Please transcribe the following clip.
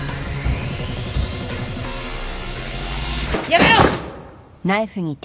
やめろ！